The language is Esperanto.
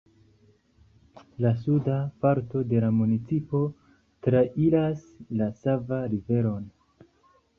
La suda parto de la municipo trairas la Sava Riveron.